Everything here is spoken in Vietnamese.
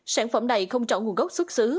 sản phẩm này không trọng nguồn gốc xuất xứ